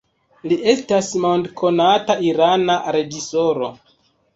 Li estas mondkonata irana reĝisoro.